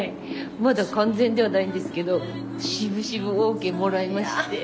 まだ完全ではないんですけどしぶしぶＯＫもらいまして。